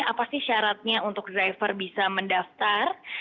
apa sih syaratnya untuk driver bisa mendaftar